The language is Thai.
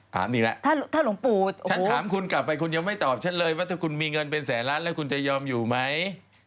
นี่แหละถ้าหลวงปู่ฉันถามคุณกลับไปคุณยังไม่ตอบฉันเลยว่าถ้าคุณมีเงินเป็นแสนล้านแล้วคุณจะยอมอยู่ไหม